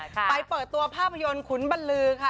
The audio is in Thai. ไปเปิดตัวภาพยนตร์ขุนบรรลือค่ะ